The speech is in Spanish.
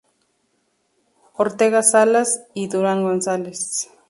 A. Ortega-Salas y L. L. Durán González.